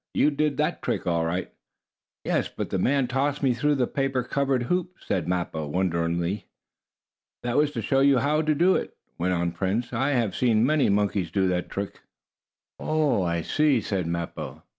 "You did that trick all right." "Yes, but the man tossed me through the paper covered hoop," spoke Mappo, wonderingly. "That was to show you how to do it," went on Prince. "I have seen many monkeys do that trick." "Oh, I see," said Mappo.